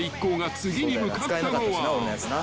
次に向かったのは］